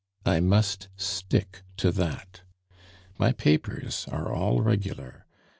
I must stick to that. My papers are all regular.